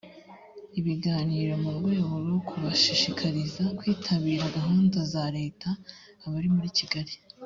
ibiganiro mu rwego rwo kubashishikariza kwitabira gahunda za leta abari muri kigali